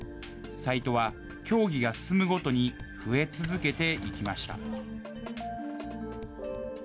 サイトは競技が進むごとに増え続けていきました。